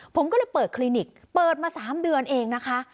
ผมก็เลยเปิดคลินิกเปิดมา๓เดือนเองนะคะ